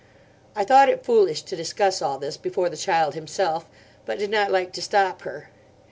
I thought it foolish to discuss all this before the child himself; but did not like to stop her.